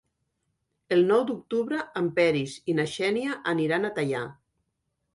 El nou d'octubre en Peris i na Xènia aniran a Teià.